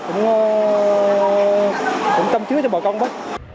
cũng tâm chứa cho bà con đó